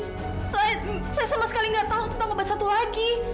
saya sama sekali nggak tahu tentang obat satu lagi